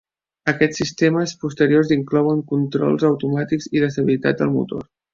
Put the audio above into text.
Aquests sistemes posteriors inclouen controls automàtics i d'estabilitat del motor.